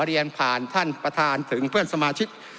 เรียนผ่านท่านประธานถึงเพื่อนสมาชิก